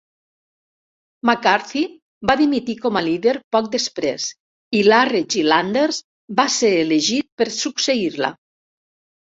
McCarthy va dimitir com a líder poc després, i Larry Gillanders va ser elegit per succeir-la.